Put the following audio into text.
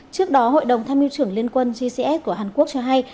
trước đó hội đồng tham mưu trưởng liên quân gcs của hàn quốc cho hay